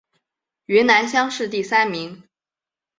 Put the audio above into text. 云南乡试第三名。